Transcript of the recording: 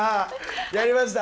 やりました！